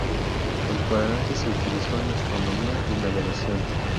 El cuadrante se utilizó en astronomía y navegación.